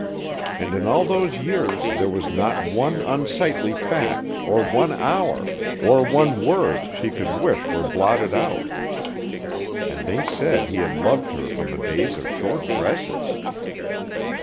And in all those years there was not one unsightly fact, or one hour, or one word she could wish were blotted out. And they said he had loved her from the days of short dresses!